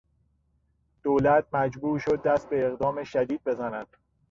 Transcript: دولت مجبور شد دست به اقدام شدید بزند.